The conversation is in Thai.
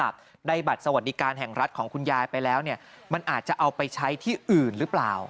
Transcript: ที่ร้านอื่นหรือเปล่า